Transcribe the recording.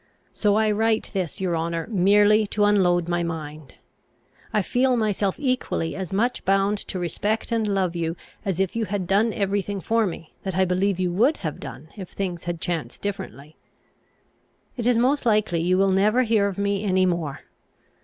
So I write this, your honour, merely to unload my mind. I feel myself equally as much bound to respect and love you, as if you had done every thing for me, that I believe you would have done if things had chanced differently. It is most likely you will never hear of me any more.